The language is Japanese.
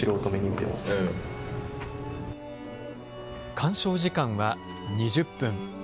鑑賞時間は２０分。